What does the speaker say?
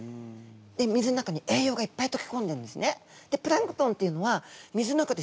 で水の中に栄養がいっぱいとけこんでるんですね。